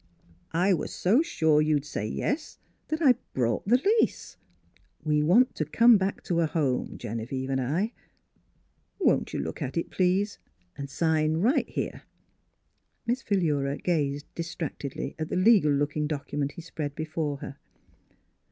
" I was so sure you'd say ' yes ' that I brought the lease. We want to come back to a home — Genevieve and I. Won't you look at it, please; and sign right here." Miss Phllura gazed distractedly at the legal looking document he spread before her.